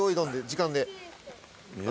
時間で。